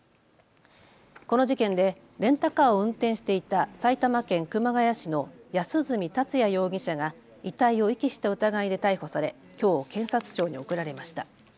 この事件でレンタカーを運転していた埼玉県熊谷市の安栖達也容疑者が遺体を遺棄した疑いで逮捕されきょう検察庁に送られました。